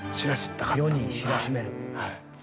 世に知らしめる。